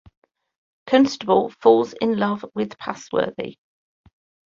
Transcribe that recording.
Constable falls in love with Passworthy.